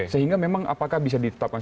sehingga memang apakah bisa ditetapkan